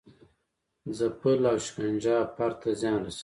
ځپل او شکنجه فرد ته زیان رسوي.